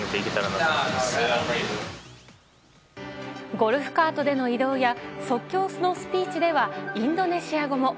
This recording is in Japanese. ゴルフカートでの移動や即興のスピーチではインドネシア語も。